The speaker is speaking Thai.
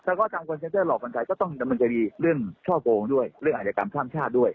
ถ้าเขาทำคอร์ลเซนเตอร์หลอกคนไทยก็ต้องมันจะมีเรื่องช่อโปรงด้วยเรื่องอันยกรรมท่านชาติด้วย